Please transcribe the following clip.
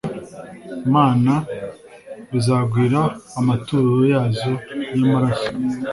Mana bizagwira amaturo yazo y amaraso